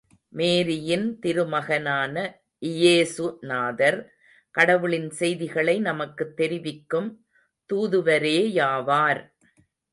மேரியின் திருமகனான இயேசுநாதர், கடவுளின் செய்திகளை நமக்குத் தெரிவிக்கும் தூதுவரேயாவார்.